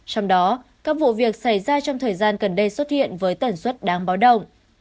trong đó các vụ việc xảy ra trong thời gian gần đây xuất hiện với tần suất đáng báo động